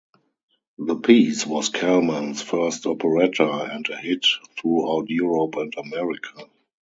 The piece was Kalman's first operetta and a hit throughout Europe and America.